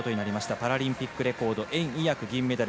パラリンピックレコード袁偉訳銀メダル。